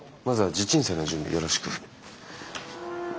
まずは地鎮祭の準備よろしく。